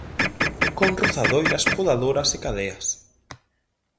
Con rozadoiras, podadoras e cadeas.